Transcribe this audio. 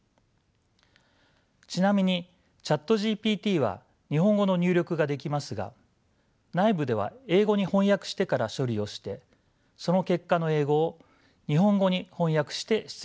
ちなみにＣｈａｔＧＰＴは日本語の入力ができますが内部では英語に翻訳してから処理をしてその結果の英語を日本語に翻訳して出力しています。